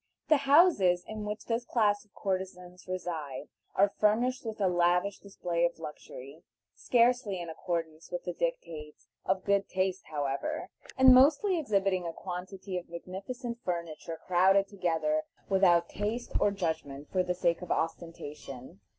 The houses in which this class of courtesans reside are furnished with a lavish display of luxury, scarcely in accordance with the dictates of good taste however, and mostly exhibiting a quantity of magnificent furniture crowded together without taste or judgment for the sake of ostentation.